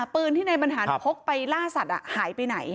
ปืนที่ในบรรหารพกไปล่าสัตว์หายไปไหน